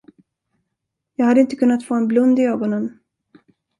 Jag hade inte kunnat få en blund i ögonen.